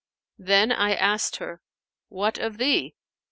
Then I asked her, 'What of thee?'